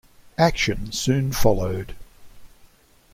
Action soon followed.